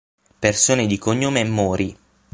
Persone di cognome Mori